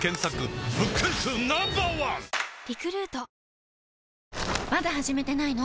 本麒麟まだ始めてないの？